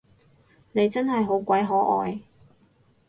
你真係好鬼可愛